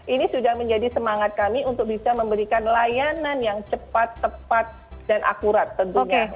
ini sudah menjadi semangat kami untuk bisa memberikan layanan yang cepat tepat dan akurat tentunya